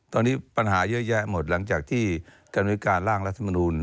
ตอนนี้ปัญหาเยอะแยะหมดหลังจากที่กรรมวิการร่างรัฐมนูล